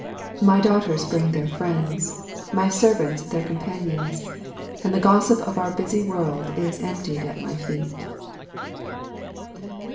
My daughters bring their friends, my servants their companions, and the gossip of our busy world is emptied at my feet.